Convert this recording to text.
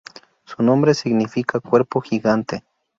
Su nombre significa "cuerpo gigante".